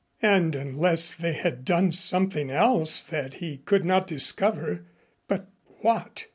And unless they had done something else that he could not discover but what?